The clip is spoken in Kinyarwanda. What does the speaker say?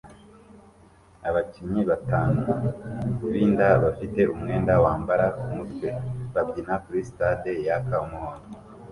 Ababyinnyi batanu b'inda bafite umwenda wamabara kumutwe babyina kuri stade yaka umuhondo